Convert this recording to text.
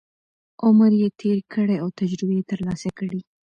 عمر یې تېر کړی او تجربې یې ترلاسه کړي.